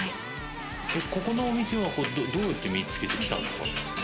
ここのお店はどうやって見つけてきたんですか？